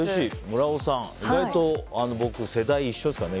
村尾さん、意外と僕世代一緒ですからね。